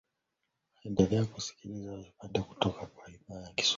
endelea kusikiliza vipindi kutoka idhaa ya kiswahili ya redio france international